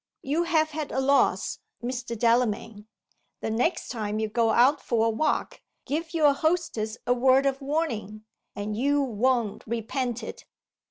"You have had a loss, Mr. Delamayn. The next time you go out for a walk, give your hostess a word of warning, and you won't repent it."